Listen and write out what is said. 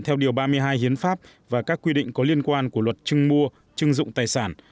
theo điều ba mươi hai hiến pháp và các quy định có liên quan của luật chưng mua chưng dụng tài sản